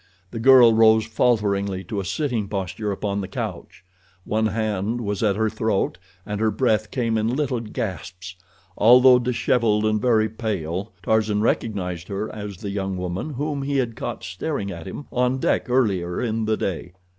The girl rose falteringly to a sitting posture upon the couch. One hand was at her throat, and her breath came in little gasps. Although disheveled and very pale, Tarzan recognized her as the young woman whom he had caught staring at him on deck earlier in the day.